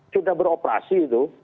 sudah beroperasi itu